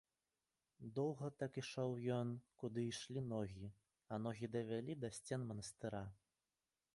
Доўга так ішоў ён, куды ішлі ногі, а ногі давялі да сцен манастыра.